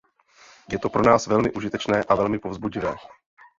Je to pro nás velmi užitečné a velmi povzbudivé.